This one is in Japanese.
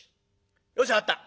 よし分かった。